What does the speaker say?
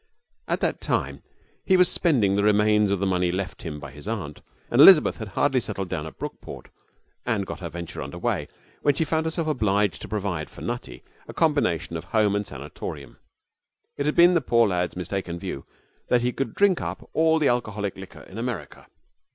At that time he was spending the remains of the money left him by his aunt, and Elizabeth had hardly settled down at Brookport and got her venture under way when she found herself obliged to provide for Nutty a combination of home and sanatorium. It had been the poor lad's mistaken view that he could drink up all the alcoholic liquor in America.